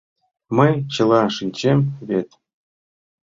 Мый чыла шинчем вет.